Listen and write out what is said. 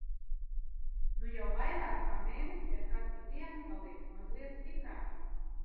Nu jau vairāk kā mēnesi ar katru dienu palieku mazliet stiprāka.